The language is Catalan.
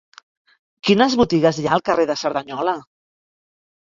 Quines botigues hi ha al carrer de Cerdanyola?